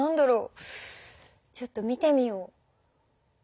ちょっと見てみよう。